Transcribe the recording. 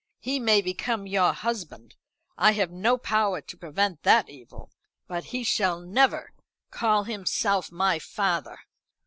He may become your husband I have no power to prevent that evil but he shall never call himself my father."